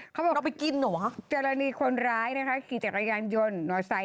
เขาบอกว่าเจรนีคนร้ายขี่จักรยานยนต์หน่อยไซส์